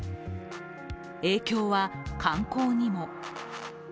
影響は、観光にも。